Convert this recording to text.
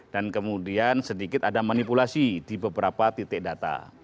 dan kemudian sedikit ada manipulasi di beberapa titik data